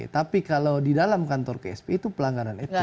tapi kalau di dalam kantor ksp itu pelanggaran etik